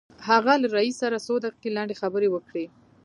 هغه له رئيس سره څو دقيقې لنډې خبرې وکړې.